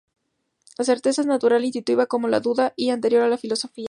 La certeza es natural e intuitiva como la duda, y anterior a la filosofía.